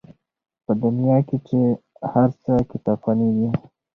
په دنیا کي چي هر څه کتابخانې دي